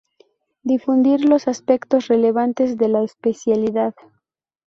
Difundir los aspectos relevantes de la especialidad.